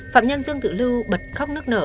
phạm nhân dương thị lưu bật khóc nước nở